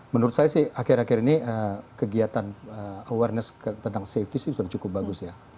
menurut saya sih akhir akhir ini kegiatan awareness tentang safety sih sudah cukup bagus ya